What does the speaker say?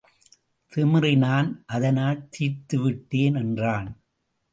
திமிறினான் அதனால் தீர்த்து விட்டேன் என்றான்.